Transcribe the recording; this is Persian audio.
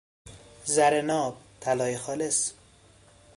زر ناب، طلای خالص